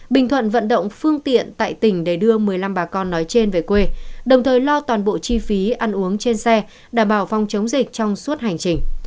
bình thuận vận động phương tiện tại tỉnh để đưa một mươi năm bà con nói trên về quê đồng thời lo toàn bộ chi phí ăn uống trên xe đảm bảo phòng chống dịch trong suốt hành trình